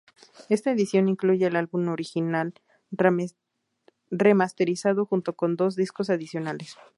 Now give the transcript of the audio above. Esta edición incluye el álbum original remasterizado junto con dos discos adicionales.